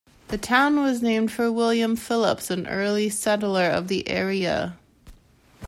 The town was named for William Phillips, an early settler of the area.